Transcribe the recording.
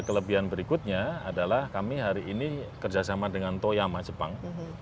kelebihan berikutnya adalah kami hari ini kerjasama dengan toyama jepang